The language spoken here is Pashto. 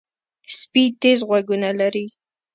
سپي تیز غوږونه لري.